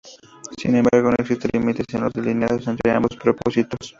Sin embargo, no existen límites bien delineados entre ambos propósitos.